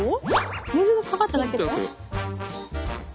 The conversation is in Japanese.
水がかかっただけで？